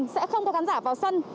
sẽ không có khán giả vào sân